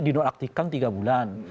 dinonaktifkan tiga bulan